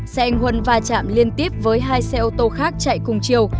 xe anh huân va chạm liên tiếp với hai xe ô tô khác chạy cùng chiều